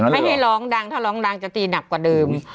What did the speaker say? ให้ให้ร้องดังถ้าร้องดังจะตีหนักกว่าเดิม